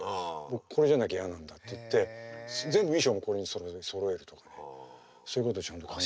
これじゃなきゃやなんだって言って全部衣装もこれにそろえるとかそういうことちゃんと考えて。